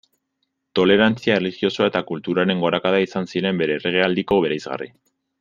Tolerantzia erlijiosoa eta kulturaren gorakada izan ziren bere erregealdiko bereizgarri.